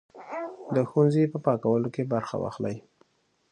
د ښوونځي په پاکوالي کې برخه واخلئ.